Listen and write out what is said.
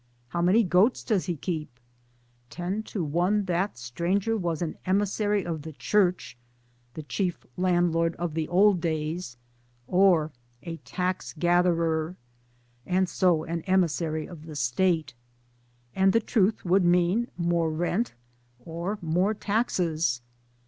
"" How many goats does he keep? "ten to one that stranger was an emissary of the Church (the chief landlord of the old days), or a taxgatherer, and so an emissary of the State ; and the truth would mean more rent or more taxes.